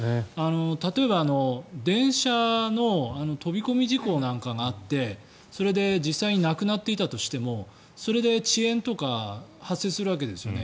例えば、電車の飛び込み事故なんかがあってそれで実際に亡くなっていたとしてもそれで遅延とか発生するわけですよね。